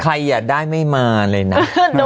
ใครได้ไม่มาเลยนะ